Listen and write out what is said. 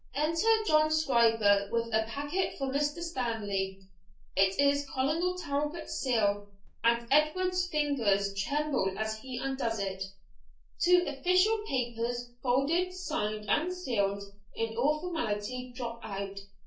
Enter Jock Scriever with a packet for Mr. Stanley; it is Colonel Talbot's seal, and Edward's ringers tremble as he undoes it. Two official papers, folded, signed, and sealed in all formality, drop out.